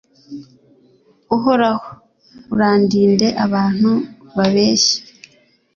uhoraho, urandinde abantu babeshya